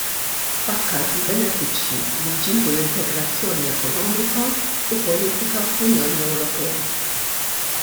Fakkar fil-benefiċċji li jġibu l-integrazzjoni ekonomika u politika fl-Unjoni Ewropea.